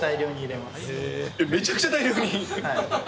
めちゃくちゃ大量に？